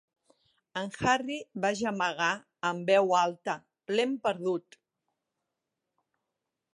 En Harry va gemegar en veu alta; l'hem perdut.